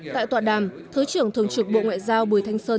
tại tọa đàm thứ trưởng thường trực bộ ngoại giao bùi thanh sơn